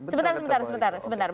sebentar sebentar sebentar